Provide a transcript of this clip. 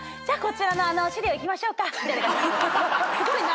「じゃあこちらの資料いきましょうか」